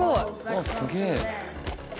あすげえ。